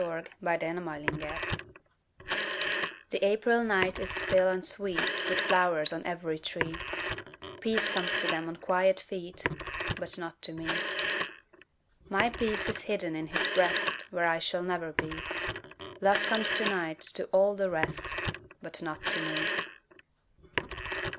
But Not to Me The April night is still and sweet With flowers on every tree; Peace comes to them on quiet feet, But not to me. My peace is hidden in his breast Where I shall never be; Love comes to night to all the rest, But not to me.